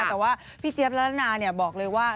แต่ว่าพี่เจี๊ยบละละนานเนี่ยบอกเลยว่า